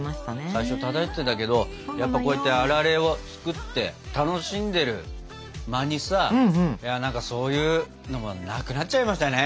最初漂ってたけどやっぱこうやってあられを作って楽しんでる間にさそういうのもなくなっちゃいましたよね。